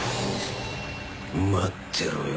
待ってろよ